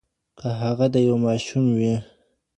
که هغه د يوه ماشوم وي.